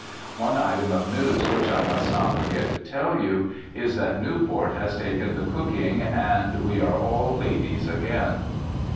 One item of news, which I must not forget to tell you, is that Newport has taken the cooking, and we are all ladies again.